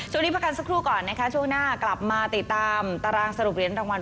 พักกันสักครู่ก่อนนะคะช่วงหน้ากลับมาติดตามตารางสรุปเหรียญรางวัล